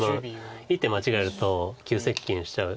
一手間違えると急接近しちゃう差です。